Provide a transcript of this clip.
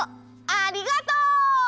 ありがとう！